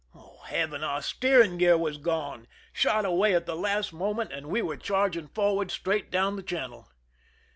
Oh, heaven! Our steering gear was gone, shot away at the last moment, and we were charging forward straight down the channel